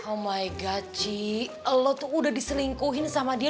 oh my god ci lo tuh udah diselingkuhin sama dia